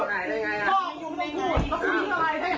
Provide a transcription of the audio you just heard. ขายรูปเป็นหลักค้า